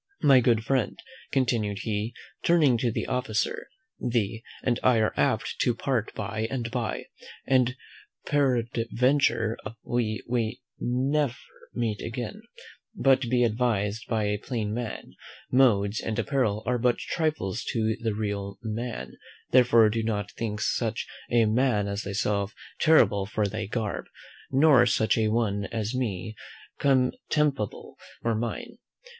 My good friend (continued he, turning to the officer), thee and I are to part by and by, and peradventure we may never meet again: but be advised by a plain man: modes and apparel are but trifles to the real man, therefore do not think such a man as thyself terrible for thy garb, nor such a one as me contemptible for mine.